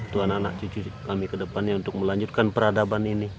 tuan anak cucu kami kedepannya untuk melanjutkan peradaban ini